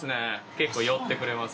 結構寄ってくれます。